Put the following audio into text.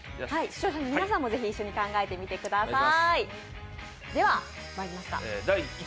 視聴者の皆さんもぜひ考えてみてください。